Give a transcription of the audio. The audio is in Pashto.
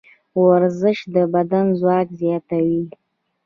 ورزش د بدن ځواک زیاتوي.